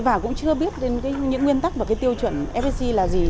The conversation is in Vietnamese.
và cũng chưa biết đến những nguyên tắc và cái tiêu chuẩn fsc là gì